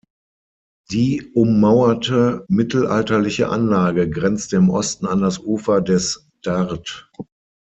Die ummauerte mittelalterliche Anlage grenzte im Osten an das Ufer des Dart.